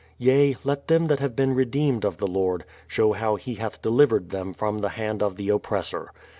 Yea, let them that have been re deemed of the Lord, show how He hath delivered them from the hand of the oppressor.